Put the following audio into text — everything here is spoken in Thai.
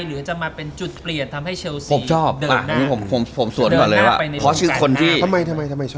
หรือจะมาเป็นจุดเปลี่ยนทำให้เชลซีเดินหน้าไปในตรงการ